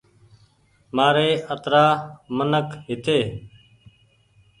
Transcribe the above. مآري اَترآ منک هيتي